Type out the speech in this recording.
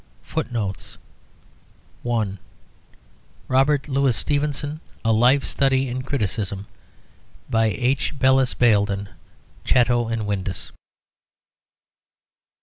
FOOTNOTES: "Robert Louis Stevenson: A Life Study in Criticism." By H. Bellyse Baildon. Chatto & Windus.